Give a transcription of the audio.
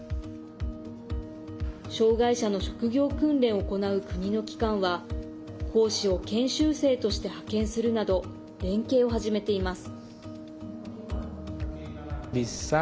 障害者の職業訓練を行う国の機関は講師を研修生として派遣するなど連携を始めています。